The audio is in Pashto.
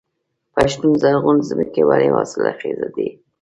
پښتون زرغون ځمکې ولې حاصلخیزه دي؟